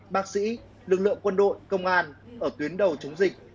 bác sĩ lực lượng quân đội công an ở tuyến đầu chống dịch